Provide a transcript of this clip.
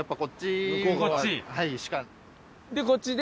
でこっちで。